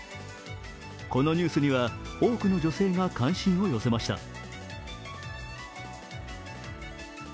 このニュースには、多くの女性が関心を寄せました。